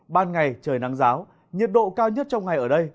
ban ngày trời nắng giáo nhiệt độ cao nhất trong ngày ở đây